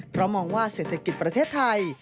เพราะมองว่าเศรษฐกิจประเทศไทย